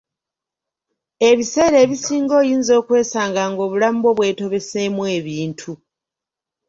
Ebiseera ebisinga oyinza okwesanga ng'obulamu bwo bwetobeseemu ebintu.